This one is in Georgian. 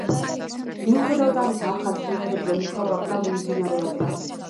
მიუხედავად ამისა, ახალ სიმღერებზე მუშაობა კვლავ მიმდინარეობდა.